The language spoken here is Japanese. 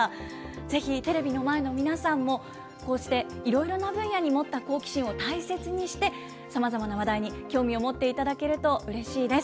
ぜひテレビの前の皆さんも、こうしていろいろな分野に持った好奇心を大切にして、さまざまな話題に興味を持っていただけるとうれしいです。